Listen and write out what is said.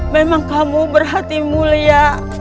memang kamu berhati mulia